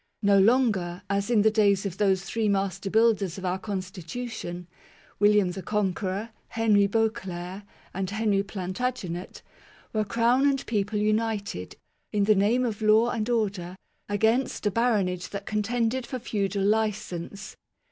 No longer, as in the days of those three master builders of our constitution, William the Conqueror, Henry Beauclerc, and Henry Plantagenet, were Crown and people united, in the name of law and order, against a baronage that contended for feudal licence.